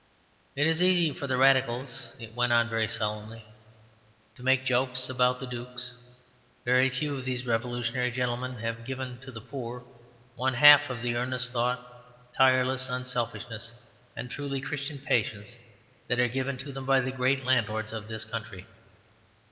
"It is easy for the Radicals," it went on very solemnly, "to make jokes about the dukes. Very few of these revolutionary gentlemen have given to the poor one half of the earnest thought, tireless unselfishness, and truly Christian patience that are given to them by the great landlords of this country.